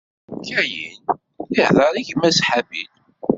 Kayin ihdeṛ i gma-s Habil.